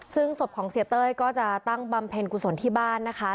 ซึ่งศพของเสียเต้ยก็จะตั้งบำเพ็ญกุศลที่บ้านนะคะ